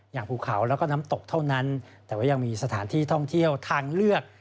ภูเขาแล้วก็น้ำตกเท่านั้นแต่ว่ายังมีสถานที่ท่องเที่ยวทางเลือก